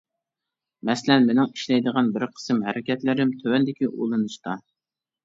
مەسىلەن مېنىڭ ئىشلەيدىغان بىر قىسىم ھەرىكەتلىرىم تۆۋەندىكى ئۇلىنىشتا.